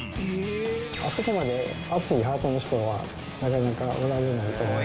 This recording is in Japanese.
あそこまで熱いハートの人はなかなかおられないと思います